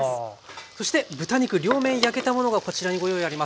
そして豚肉両面焼けたものがこちらにご用意あります。